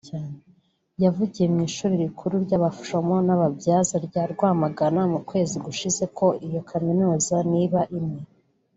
yavugiye mu ishuri rikuru ry’abaforomo n’ababyaza rya Rwamagana mu kwezi gushize ko iyo kaminuza niba imwe